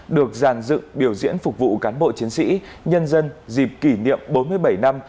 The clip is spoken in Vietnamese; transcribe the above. được giàn dự biểu diễn phục vụ cán bộ chiến sĩ nhân dân dịp kỷ niệm bốn mươi bảy năm